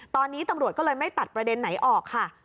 ตอนนี้ตำรวจก็เลยไม่ตัดประเด็นไหนออกค่ะ